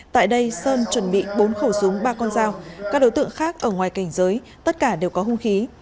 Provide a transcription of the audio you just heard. tại đây sơn chuẩn bị bốn khẩu súng ba con dao các đối tượng khác ở ngoài cảnh giới tất cả đều có hung khí